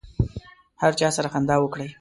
هر چا سره خندا وکړئ.